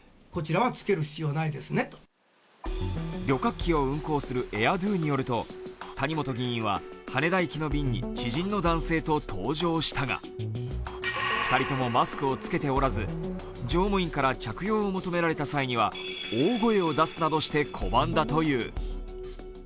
旅客機を運航するＡＩＲＤＯによると、谷本議員は羽田行きの便に知人の男性と搭乗したが２人ともマスクを着けておらず、乗務員から着用を求められた際には大声を出すなどして拒んだという。